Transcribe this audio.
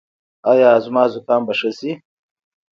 ایا زما زکام به ښه شي؟